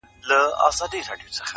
زما د سيمي د ميوند شاعري .